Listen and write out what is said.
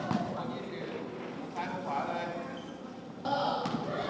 สุดท้ายสุดท้ายสุดท้าย